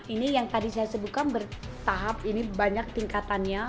ini yang tadi saya sebutkan bertahap ini banyak tingkatannya